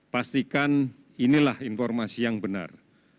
pastikan inilah informasi yang benar